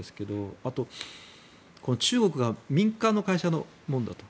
あと、中国が民間の会社のものだと。